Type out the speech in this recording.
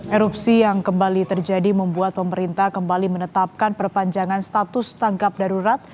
erupsi yang kembali terjadi membuat pemerintah kembali menetapkan perpanjangan status tanggap darurat